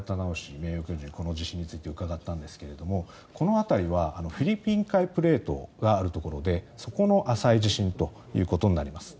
名誉教授に今回の地震について伺ったんですがこの辺りはフィリピン海プレートがあるところでそこの浅い地震ということになります。